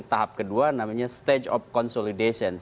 tahap kedua namanya stage of consolidation